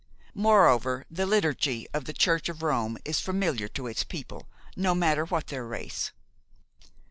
Moreover, the liturgy of the Church of Rome is familiar to its people, no matter what their race.